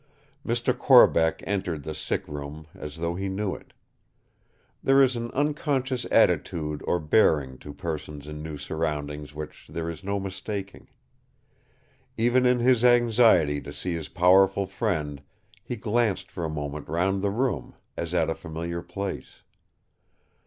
Mr. Corbeck entered the sick room as though he knew it. There is an unconscious attitude or bearing to persons in new surroundings which there is no mistaking. Even in his anxiety to see his powerful friend, he glanced for a moment round the room, as at a familiar place.